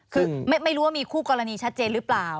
คือไม่รู้ว่ามีคู่กรณีชัดเจนหรือเปล่า